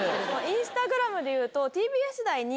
インスタグラムでいうと。